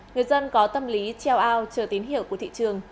người dân có tâm lý treo ao chờ tín hiệu của thị trường